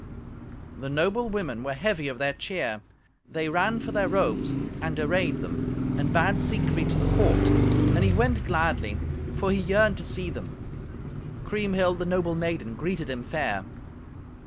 The noble women were heavy of their cheer. They ran for their robes, and arrayed them, and bade Siegfried to the court; and he went gladly, for he yearned to see them. Kriemhild, the noble maiden, greeted him fair.